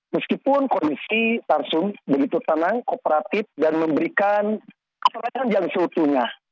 meskipun kondisi tarsum begitu tenang kooperatif dan memberikan keterangan yang seutuhnya